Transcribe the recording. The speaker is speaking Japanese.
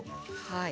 はい。